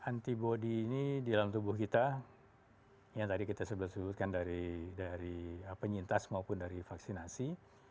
antibody ini di dalam tubuh kita yang tadi kita sudah sebutkan dari penyintas maupun dari vaksinasi